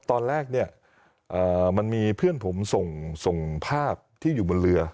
ตอนแรกเนี่ยมันมีเพื่อนผมส่งภาพที่อยู่บนเรือ